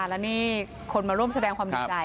แล้วนี่คนมาร่วมแสดงความดีใจ